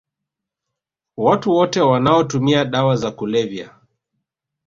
Watu wote wanaotumia dawa za kulevya